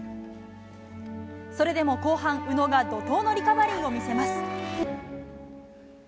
それでも後半、宇野が怒とうのリカバリーを見せます。